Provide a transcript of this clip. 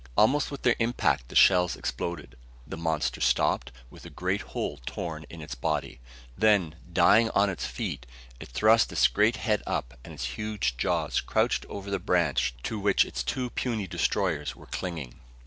Almost with their impact the shells exploded. The monster stopped, with a great hole torn in its body. Then, dying on its feet, it thrust its great head up and its huge jaws crunched over the branch to which its two puny destroyers were clinging.